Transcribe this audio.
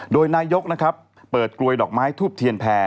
โดยนายกเปิดกลวยดอกไม้ทูปเทียนแผ่